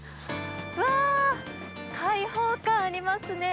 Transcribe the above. わー、開放感ありますね。